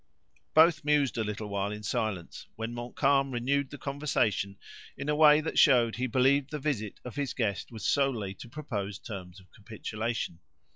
Both mused a little while in silence, when Montcalm renewed the conversation, in a way that showed he believed the visit of his guest was solely to propose terms of capitulation.